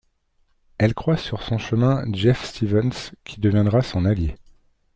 Elle croise sur son chemin Jeff Stevens, qui deviendra son allié.